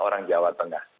orang jawa tengah